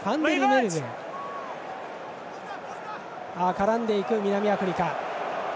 絡んでいく、南アフリカ。